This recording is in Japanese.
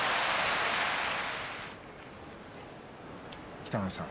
北の富士さん